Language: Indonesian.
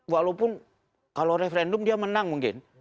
walaupun kalau referendum dia menang mungkin